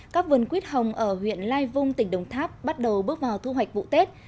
các vườn quyết hồng ở huyện lai vung tỉnh đồng tháp bắt đầu bước vào thu hoạch vụ tết